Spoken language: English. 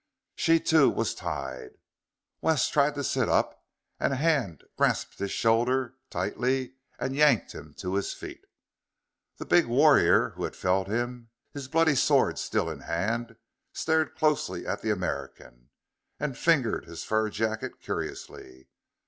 She too was tied. Wes tried to sit up; and a hand grasped his shoulder tightly and yanked him to his feet. The big warrior who had felled him, his bloody sword still in hand, stared closely at the American, and fingered his fur jacket curiously.